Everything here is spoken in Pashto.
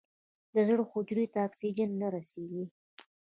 د زړه حجرو ته اکسیجن نه رسېږي.